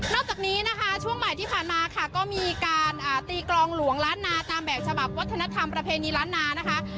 จากนี้นะคะช่วงบ่ายที่ผ่านมาค่ะก็มีการตีกรองหลวงล้านนาตามแบบฉบับวัฒนธรรมประเพณีล้านนานะคะ